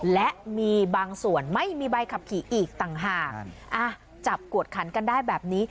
และมีบางส่วนไม่มีใบขับขี่อีกต่างหากจับกวดขันกันได้แบบนี้